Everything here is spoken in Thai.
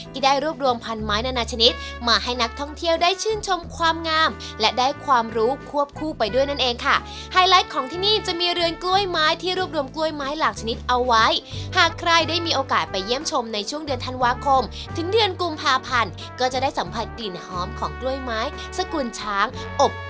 ได้รวบรวมพันไม้นานาชนิดมาให้นักท่องเที่ยวได้ชื่นชมความงามและได้ความรู้ควบคู่ไปด้วยนั่นเองค่ะไฮไลท์ของที่นี่จะมีเรือนกล้วยไม้ที่รวบรวมกล้วยไม้หลากชนิดเอาไว้หากใครได้มีโอกาสไปเยี่ยมชมในช่วงเดือนธันวาคมถึงเดือนกุมภาพันธ์ก็จะได้สัมผัสกลิ่นหอมของกล้วยไม้สกุลช้างอบ